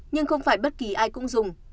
nhưng không phải bất kỳ ai cũng dùng